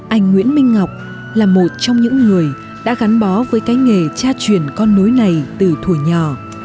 anh nguyễn minh ngọc là một trong những người đã gắn bó với cái nghề tra truyền con nối này từ thủ nhỏ